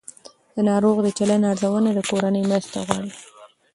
د ناروغ د چلند ارزونه د کورنۍ مرسته غواړي.